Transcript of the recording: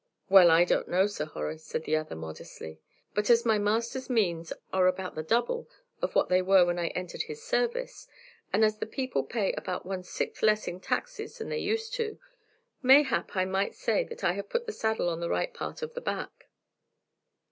"Well, I don't know, Sir Horace," said the other, modestly, "but as my master's means are about the double of what they were when I entered his service, and as the people pay about one sixth less in taxes than they used to do, mayhap I might say that I have put the saddle on the right part of the back."